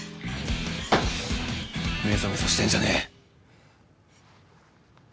めそめそしてんじゃねえ！